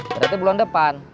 berarti bulan depan